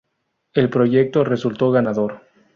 El proyecto resultó ganador.